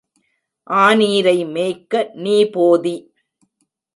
ஆநீரை மேய்க்க நீ போதி!